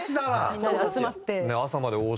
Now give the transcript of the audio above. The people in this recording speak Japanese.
みんなで集まって。